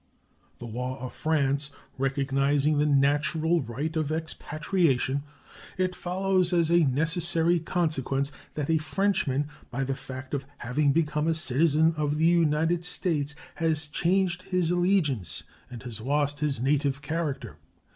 The law of France recognizing the natural right of expatriation, it follows as a necessary consequence that a Frenchman by the fact of having become a citizen of the United States has changed his allegiance and has lost his native character.